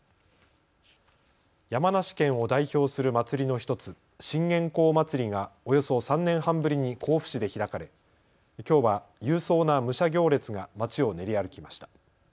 山梨県を代表する祭りの１つ、信玄公祭りがおよそ３年半ぶりに甲府市で開かれ、きょうは勇壮な武者行列がまちを練り歩きました。